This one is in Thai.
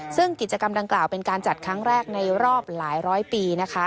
ซึ่งกิจกรรมดังกล่าวเป็นการจัดครั้งแรกในรอบหลายร้อยปีนะคะ